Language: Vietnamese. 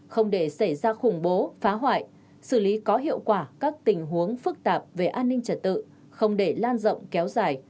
không để xảy ra khủng bố phá hoại xử lý có hiệu quả các tình huống phức tạp về an ninh trật tự không để lan rộng kéo dài